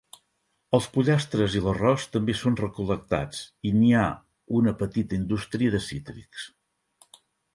Els pollastres i l'arròs també són recol·lectats, i n'hi ha una petita indústria de cítrics.